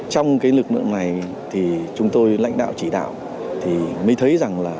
trong cái lực lượng này thì chúng tôi lãnh đạo chỉ đạo thì mới thấy rằng là